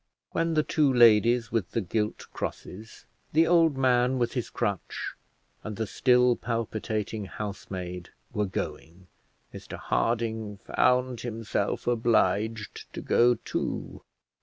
When the two ladies with the gilt crosses, the old man with his crutch, and the still palpitating housemaid were going, Mr Harding found himself obliged to go too.